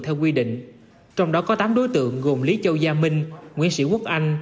theo quy định trong đó có tám đối tượng gồm lý châu gia minh nguyễn sĩ quốc anh